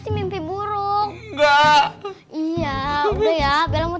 ampun ampun ampun ampun jangan jangan hehehe ampun ampun ampun ampun ampun